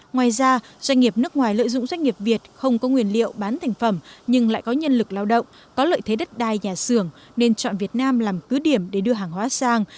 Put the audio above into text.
ngoài ra doanh nghiệp nước ngoài lợi dụng doanh nghiệp việt không có nguyên liệu bán thành phẩm nhưng lại có nhân lực lao động có lợi thế đất đai nhà xưởng nên chọn việt nam làm cứ điểm để đưa hàng hóa sang